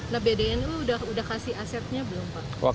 nah bdnu udah kasih asetnya belum pak